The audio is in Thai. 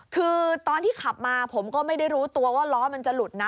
คือตอนที่ขับมาผมก็ไม่ได้รู้ตัวว่าล้อมันจะหลุดนะ